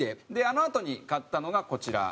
あのあとに買ったのがこちら。